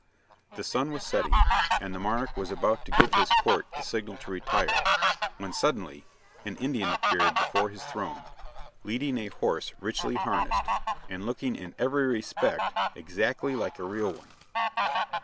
The sun was setting, and the monarch was about to give his court the signal to retire, when suddenly an Indian appeared before his throne, leading a horse richly harnessed, and looking in every respect exactly like a real one.